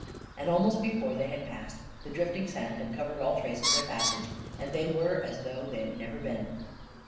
And almost before they had passed, the drifting sand had covered all trace of their passage, and they were as though they had never been.